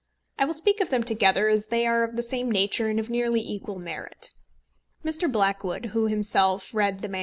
I will speak of them together, as they are of the same nature and of nearly equal merit. Mr. Blackwood, who himself read the MS.